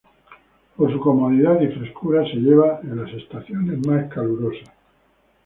Por su comodidad y frescura, se lleva en las estaciones más calurosas.